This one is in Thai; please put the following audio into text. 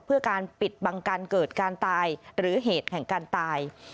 เพื่อการปิดบังการเกิดการตายหรือเหตุแห่งการตาย